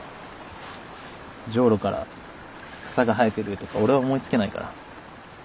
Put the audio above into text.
ジョウロから草が生えてるとか俺は思いつけないから。